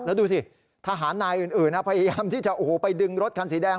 แล้วดูสิทหารนายอื่นพยายามที่จะไปดึงรถคันสีแดง